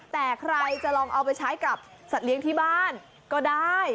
แต่ใครจะลองเอาไปใช้กับสัตว์เลี้ยงที่บ้านก็ได้